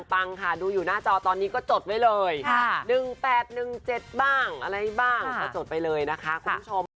ฟังค่ะดูอยู่หน้าจอตอนนี้ก็จดไว้เลย๑๘๑๗บ้างอะไรบ้างก็จดไปเลยนะคะคุณผู้ชม